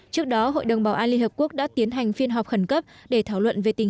trước đó hội đồng bảo an liên hợp quốc đã tiến hành phiên họp khẩn cấp để thảo luận về tình